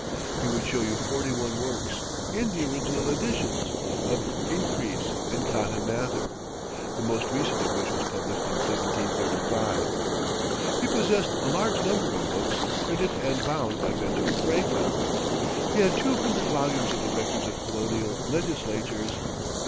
He would show you forty one works, in the original editions, of Increase and Cotton Mather, the most recent of which was published in 1735. He possessed a large number of books printed and bound by Benjamin Franklin. He had two hundred volumes of the records of Colonial legislatures.